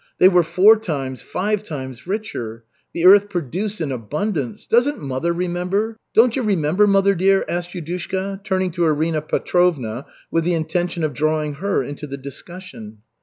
They were four times, five times, richer. The earth produced in abundance. Doesn't mother remember? Don't you remember, mother dear?" asked Yudushka, turning to Arina Petrovna with the intention of drawing her into the discussion.